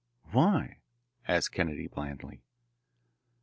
"Why?" asked Kennedy blandly.